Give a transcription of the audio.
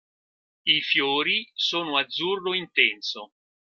I fiori sono azzurro intenso.